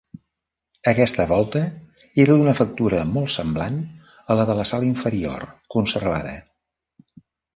Aquesta volta era d'una factura molt semblant a la de la sala inferior, conservada.